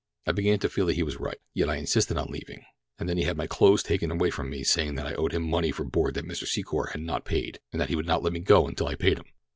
"I began to feel that he was right, yet I insisted on leaving, and then he had my clothes taken from me, saying that I owed him money for board that Mr. Secor had not paid, and that he would not let me go until I paid him.